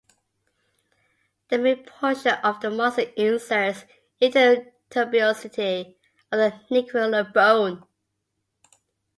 The main portion of the muscle inserts into the tuberosity of the navicular bone.